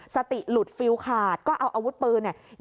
สติหลุดฟิลขาดก็เอาอาวุธปืนเนี่ย